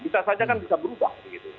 bisa saja kan bisa berubah